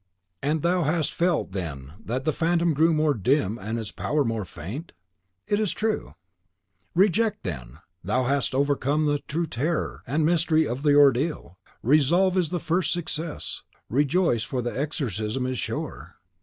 "And thou hast felt then that the Phantom grew more dim and its power more faint?" "It is true." "Rejoice, then! thou hast overcome the true terror and mystery of the ordeal. Resolve is the first success. Rejoice, for the exorcism is sure!